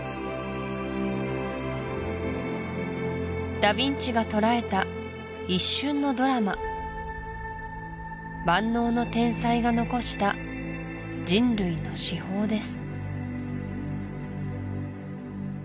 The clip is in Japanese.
ダ・ヴィンチがとらえた一瞬のドラマ万能の天才が残した人類の至宝です